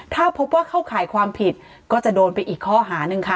ถ้าพบว่าเข้าข่ายความผิดก็จะโดนไปอีกข้อหาหนึ่งค่ะ